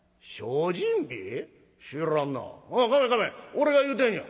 俺が言うてんや。